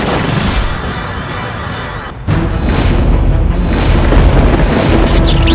su jangan ke auton catalog